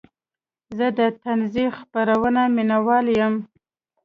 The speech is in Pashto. زه د طنزي خپرونو مینهوال یم.